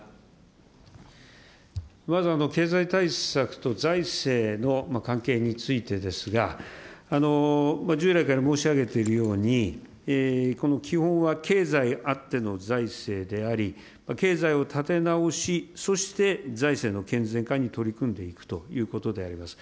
まず経済対策と財政の関係についてですが、従来から申し上げているように、この基本は経済あっての財政であり、経済を立て直し、そして財政の健全化に取り組んでいくということであります。